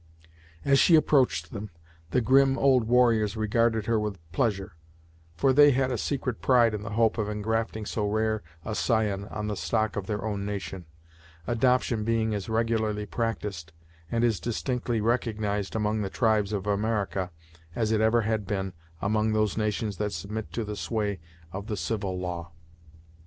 As she approached them, the grim old warriors regarded her with pleasure, for they had a secret pride in the hope of engrafting so rare a scion on the stock of their own nation; adoption being as regularly practised, and as distinctly recognized among the tribes of America, as it ever had been among those nations that submit to the sway of the Civil Law.